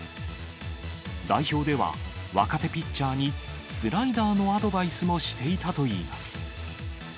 代表では、若手ピッチャーにスライダーのアドバイスもしていたといいます。